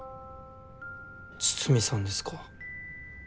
筒見さんですか？